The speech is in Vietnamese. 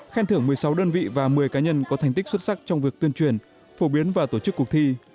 khen thưởng một mươi sáu đơn vị và một mươi cá nhân có thành tích xuất sắc trong việc tuyên truyền phổ biến và tổ chức cuộc thi